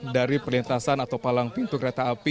dari perlintasan atau palang pintu kereta api